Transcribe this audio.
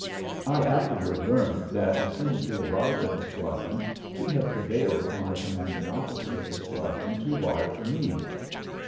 I afterward learned that as soon as he arrived at the squadron he had prevailed upon the commanding officer of the squadron to wire for me.